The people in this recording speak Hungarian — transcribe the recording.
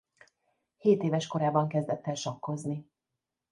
Hétéves korában kezdett el sakkozni.